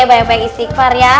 pak d banyak istighfar ya